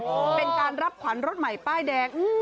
เป็นการรับขวัญรถใหม่ป้ายแดง